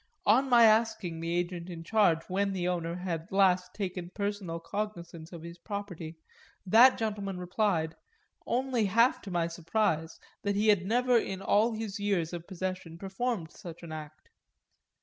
On my asking the agent in charge when the owner had last taken personal cognisance of his property that gentleman replied only half to my surprise that he had never in all his years of possession performed such an act.